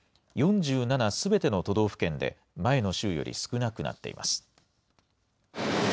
４７すべての都道府県で前の週より少なくなっています。